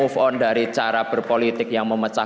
move on dari cara berpolitik yang memecah